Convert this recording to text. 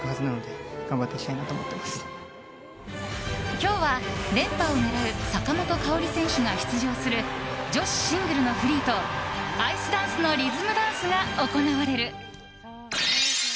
今日は連覇を狙う坂本花織選手が出場する女子シングルのフリーとアイスダンスのリズムダンスが行われる。